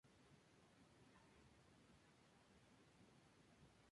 Ella es nieta del comediante de radio Bob Elliott.